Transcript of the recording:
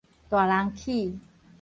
大人齒